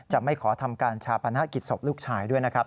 ไม่ขอทำการชาปนกิจศพลูกชายด้วยนะครับ